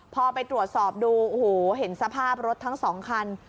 พอไปตรวจสอบดูโอ้โหเห็นสภาพรถทั้งสองคัน